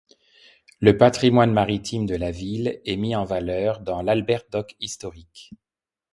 Le patrimoine maritime de la ville est mis en valeur dans l'Albert Dock historique.